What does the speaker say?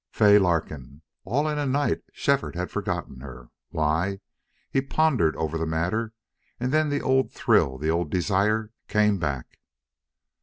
Fay Larkin! All in a night Shefford had forgotten her. Why? He pondered over the matter, and then the old thrill, the old desire, came back.